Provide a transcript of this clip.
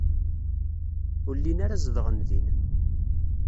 Ur llin ara zedɣen din.